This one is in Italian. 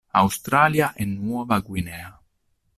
Australia e Nuova Guinea.